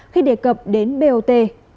khi đề cập đến bot